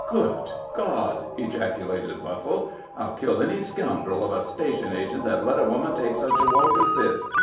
"Good God!" ejaculated Buffle; "I'll kill any scoundrel of a station agent that'll let a woman take such a walk as this.